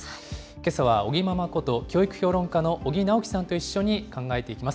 けさは尾木ママこと、教育評論家の尾木直樹さんと一緒に考えていきます。